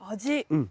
うん。